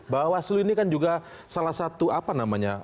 bahwa seluruh ini kan juga salah satu apa namanya